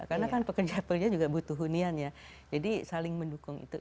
karena kan pekerja perniagaan juga butuh hunian ya jadi saling mendukung